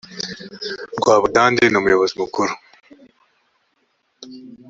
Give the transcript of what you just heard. rwabudandi numuyobozi mukuru.